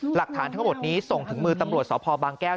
หลักฐานทั้งหมดนี้ส่งถึงมือตำรวจสพบางแก้ว